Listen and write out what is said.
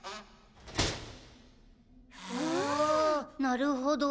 なるほど。